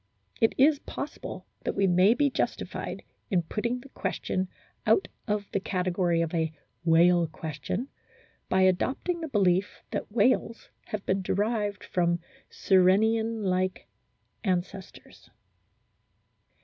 It is possible that we may be justified in putting the question out of the category of a "whale question" by adopting the belief that whales have been derived from Sirenian like ancestors.